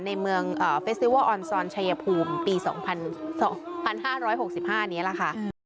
ในเมืองเอ่อเฟสติวอลซอนชายภูมิปีสองพันสองพันห้าร้อยหกสิบห้านี้แหละค่ะ